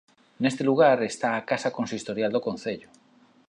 Neste lugar está a casa consistorial do concello.